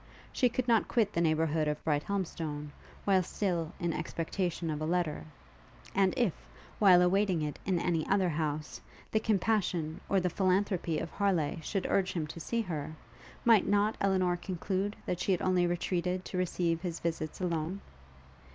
She could not quit the neighbourhood of Brighthelmstone, while still in expectation of a letter; and if, while awaiting it in any other house, the compassion, or the philanthropy of Harleigh should urge him to see her, might not Elinor conclude that she had only retreated to receive his visits alone?